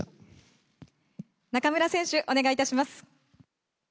中村選手、お願いいたします。